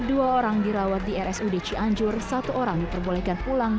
dua orang dirawat di rsud cianjur satu orang diperbolehkan pulang